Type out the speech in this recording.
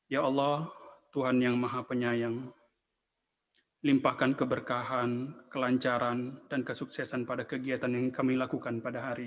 ya allah tuhan yang maha penyayang limpahkan keberkahan kelancaran dan kesuksesan pada kegiatan yang kami lakukan pada hari ini